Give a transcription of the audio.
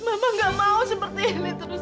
mama gak mau seperti ini terus